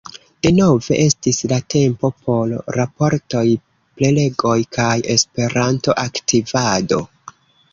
Denove estis la tempo por raportoj, prelegoj kaj Esperanto-aktivado.